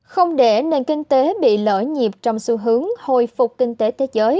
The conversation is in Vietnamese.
không để nền kinh tế bị lỡ nhịp trong xu hướng hồi phục kinh tế thế giới